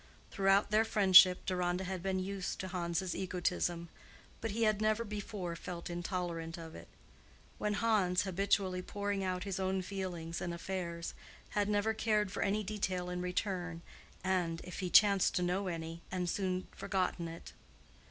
Throughout their friendship Deronda had been used to Hans's egotism, but he had never before felt intolerant of it: when Hans, habitually pouring out his own feelings and affairs, had never cared for any detail in return, and, if he chanced to know any, had soon forgotten it.